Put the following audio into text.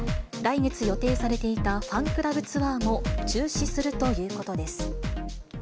来月予定されていたファンクラブツアーも中止するということです。